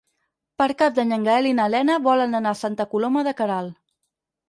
Per Cap d'Any en Gaël i na Lena volen anar a Santa Coloma de Queralt.